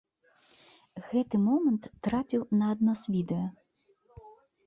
Гэты момант трапіў на адно з відэа.